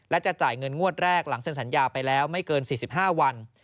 และจะจ่ายเงินงวดแรกหลังเซ็นสัญญาไปแล้วไม่เกิน๔๕วัน